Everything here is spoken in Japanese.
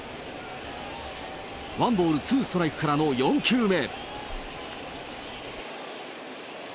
ワンボールツーストライクからの４球目。